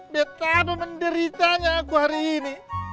betapa menderitanya aku hari ini